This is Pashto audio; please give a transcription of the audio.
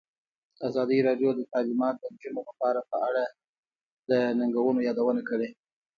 ازادي راډیو د تعلیمات د نجونو لپاره په اړه د ننګونو یادونه کړې.